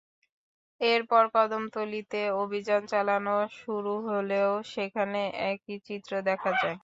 এরপর কদমতলীতে অভিযান চালানো শুরু হলেও সেখানে একই চিত্র দেখা যায়।